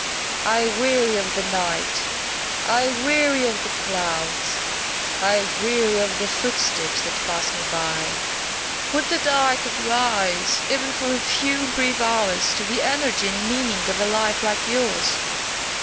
I weary of the night; I weary of the clouds; I weary of the footsteps that pass me by. Would that I could rise, even for a few brief hours, to the energy and meaning of a life like yours!"